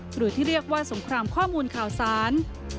หรือที่เรียกว่าสงครามข้อมูลข่าวสาร